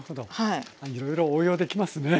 いろいろ応用できますね。